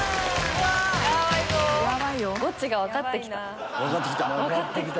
ゴチが分かって来た。